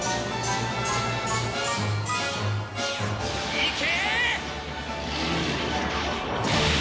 いけ！